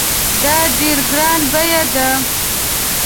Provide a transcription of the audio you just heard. دا ډېر ګران بیه دی